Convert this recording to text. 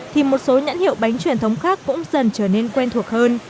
thì một số nhãn hiệu bánh truyền thống khác cũng dần trở nên quen thuộc hơn